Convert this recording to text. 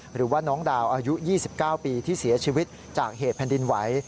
หรือว่าน้องดาวอายุ๒๙ปีที่เสียชีวิตจากเหตุแผ่นดินไหว